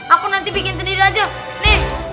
aku nanti bikin sendiri aja nih